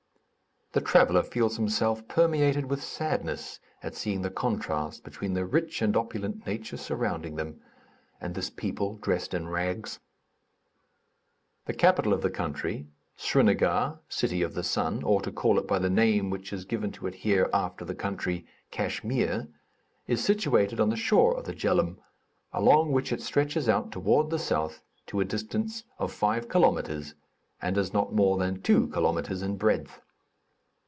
The traveller feels himself permeated with sadness at seeing the contrast between the rich and opulent nature surrounding them, and this people dressed in rags. The capital of the country, Srinagar (City of the Sun), or, to call it by the name which is given to it here after the country, Kachmyr, is situated on the shore of the Djeloum, along which it stretches out toward the south to a distance of five kilometres and is not more than two kilometres in breadth.